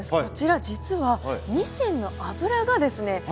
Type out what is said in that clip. こちら実はニシンの脂がですね